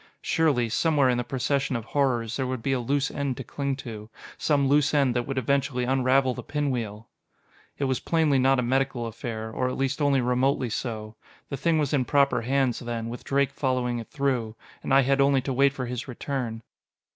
Surely, somewhere in the procession of horrors, there would be a loose end to cling to. Some loose end that would eventually unravel the pinwheel! It was plainly not a medical affair, or at least only remotely so. The thing was in proper hands, then, with Drake following it through. And I had only to wait for his return.